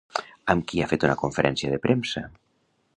Amb qui ha fet una conferència de premsa?